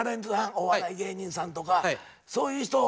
お笑い芸人さんとかそういう人を。